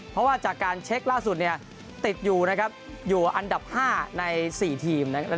เพราะว่าจากการเช็คล่าสุดติดอยู่นะครับอยู่อันดับ๕ใน๔ทีมนะครับ